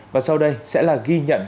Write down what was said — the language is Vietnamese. và sau đây sẽ là ghi nhận